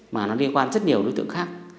mà nó liên quan rất nhiều đối tượng khác